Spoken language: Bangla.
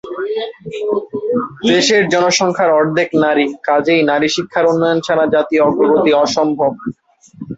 দেশের জনসংখ্যার অর্ধেক নারী, কাজেই নারী শিক্ষার উন্নয়ন ছাড়া জাতীয় অগ্রগতি অসম্ভব।